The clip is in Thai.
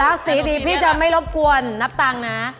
ถ้าสีดีพี่จะไม่รบกวนนับตังค์นะ